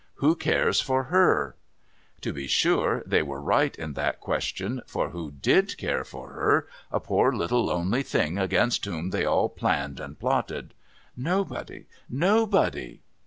Who cares for her ]' To be sure they were right in that (luestion ; for who (fid care for her, a poor little lonely thing against whom they all planned and plotted ? Nobody, nobody